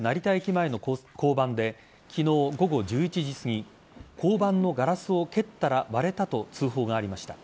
前の交番で昨日午後１１時すぎ交番のガラスを蹴ったら割れたと通報がありました。